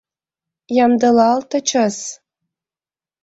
Ямдылалтычыс!